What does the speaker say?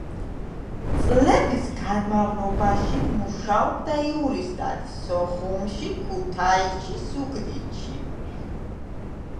წლების განმავლობაში მუშაობდა იურისტად სოხუმში, ქუთაისში, ზუგდიდში.